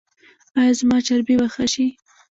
ایا زما چربي به ښه شي؟